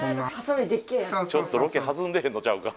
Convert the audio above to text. ちょっとロケ弾んでへんのちゃうか。